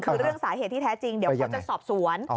คือเรื่องสาเหตุที่แท้จริงเดี๋ยวเขาจะสอบสวน